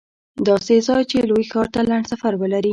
داسې ځای چې لوی ښار ته لنډ سفر ولري